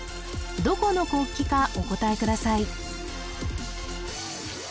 どこの国旗かお答えください